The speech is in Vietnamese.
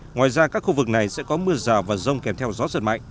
ngoài ra các khu vực này sẽ có mưa rào và rông kèm theo gió giật mạnh